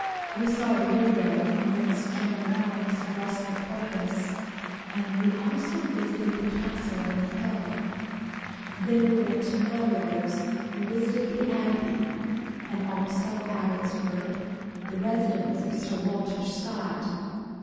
We saw the window from whence John Knox addressed the populace and we also visited the Castle on the hill. Then we went to Melrose and visited the Abbey and also Abbotsford, the residence of Sir Walter Scott.